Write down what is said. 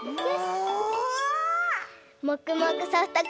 うわ！